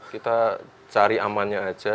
kita cari amannya aja